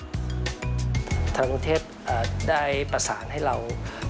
ทางกรุงเทพได้ประสานให้เรา